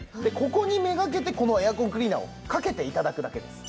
ここに目がけてこのエアコンクリーナーをかけて頂くだけです。